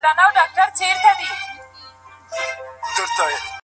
هغه مڼې وخوړلې.